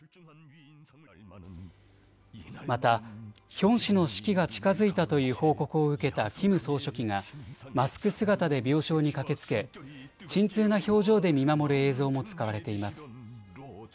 またヒョン氏の死期が近づいたという報告を受けたキム総書記がマスク姿で病床に駆けつけ沈痛な表情で見守る映像も使われています。